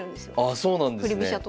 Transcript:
あそうなんですね。